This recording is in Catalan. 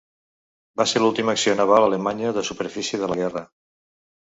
Va ser l'última acció naval alemanya de superfície de la guerra.